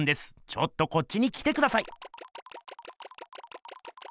ちょっとこっちに来てください！